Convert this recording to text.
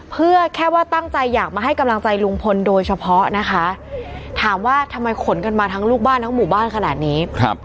เพื่อแค่ว่าตั้งใจอยากมาให้กำลังใจลุงพลโดยเฉพาะนะคะถามว่าทำไมขนกันมาทั้งลูกบ้านทั้งหมู่บ้านขนาดนี้